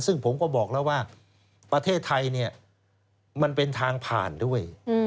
ซึ่งผมก็บอกแล้วว่าประเทศไทยเนี่ยมันเป็นทางผ่านด้วย